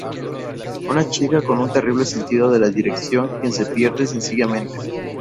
Una chica con un terrible sentido de la dirección quien se pierde sencillamente.